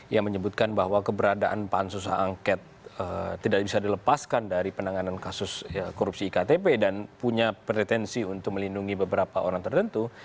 yang menyebutkan bahwa keberadaan pansus h angket tidak bisa dilepaskan dari penanganan kasus korupsi iktp dan punya pretensi untuk melindungi beberapa orang tertentu